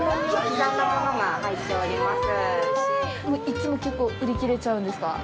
いつも結構、売り切れちゃうんですか。